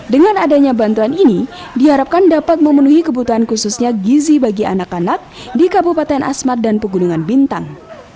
dengan adanya bantuan ini diharapkan dapat memenuhi kebutuhan khususnya gizi bagi anak anak di kabupaten asmat dan pegunungan bintang